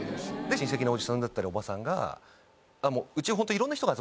親戚のおじさんだったりおばさんがうちホント。